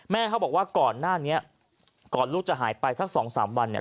เขาบอกว่าก่อนหน้านี้ก่อนลูกจะหายไปสักสองสามวันเนี่ย